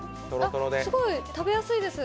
すごい食べやすいです。